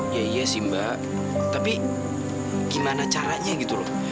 ya iya sih mbak tapi gimana caranya gitu loh